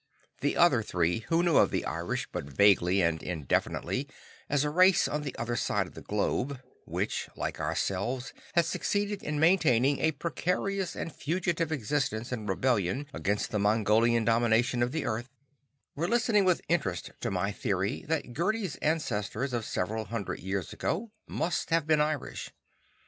The other three, who knew of the Irish but vaguely and indefinitely, as a race on the other side of the globe, which, like ourselves, had succeeded in maintaining a precarious and fugitive existence in rebellion against the Mongolian domination of the earth, were listening with interest to my theory that Gerdi's ancestors of several hundred years ago must have been Irish.